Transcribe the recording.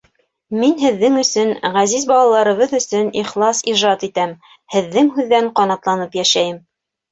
Мин һеҙҙең өсөн, ғәзиз балаларыбыҙ өсөн ихлас ижад итәм, һеҙҙең һүҙҙән ҡанатланып йәшәйем.